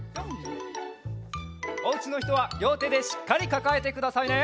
おうちのひとはりょうてでしっかりかかえてくださいね。